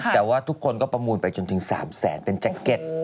แต่ว่าทุกคนก็ประมูลไปจนถึง๓แสนเป็นแจ็คเก็ต